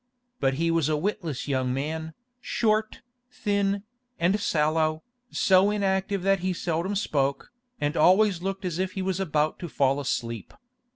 But he was a witless young man, "short, thin, and sallow, so inactive that he seldom spoke, and always looked as if he was about to fall asleep."